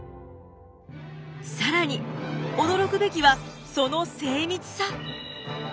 更に驚くべきはその精密さ。